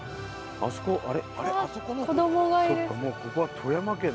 あそこあれ？